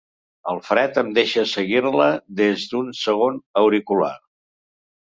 El Fred em deixa seguir-la des d'un segon auricular.